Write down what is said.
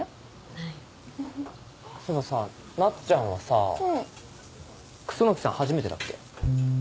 そういえばさなっちゃんはさ楠木さん初めてだっけ？